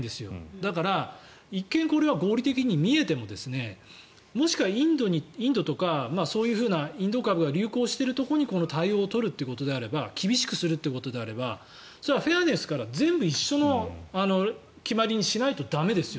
だから一見、これは合理的に見えてももしくはインドとかそういうインド株が流行しているところにこの対応を取るということであれば厳しくするということであればそれはフェアネスから全部一緒の決まりにしないと駄目ですよ。